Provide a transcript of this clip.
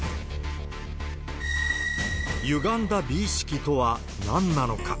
ゆがんだ美意識とはなんなのか。